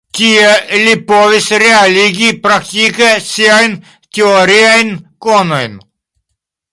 Tie li povis realigi praktike siajn teoriajn konojn.